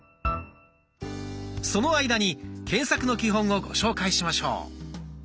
その間に検索の基本をご紹介しましょう。